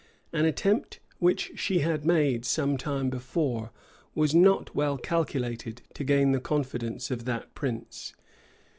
An attempt which she had made some time before was not well calculated to gain Ihe confidence of that prince.